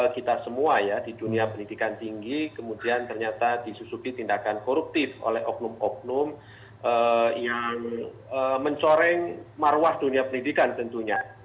karena semua ya di dunia penidikan tinggi kemudian ternyata disusuki tindakan koruptif oleh oknum oknum yang mencoreng maruah dunia penidikan tentunya